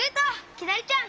きなりちゃん